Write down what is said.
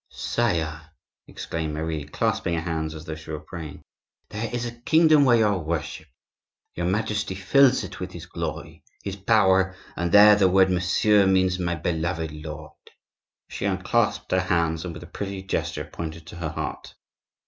"Sire," exclaimed Marie, clasping her hands as though she were praying, "there is a kingdom where you are worshipped. Your Majesty fills it with his glory, his power; and there the word 'monsieur,' means 'my beloved lord.'" She unclasped her hands, and with a pretty gesture pointed to her heart.